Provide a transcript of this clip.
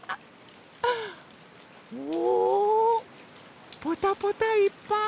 おポタポタいっぱい。